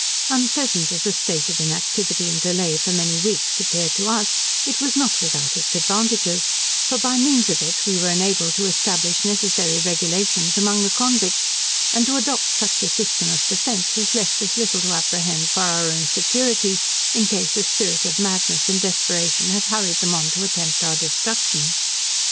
Unpleasant as a state of inactivity and delay for many weeks appeared to us, it was not without its advantages; for by means of it we were enabled to establish necessary regulations among the convicts, and to adopt such a system of defence, as left us little to Apprehend for our own security, in case a spirit of madness and desperation had hurried them on to attempt our destruction.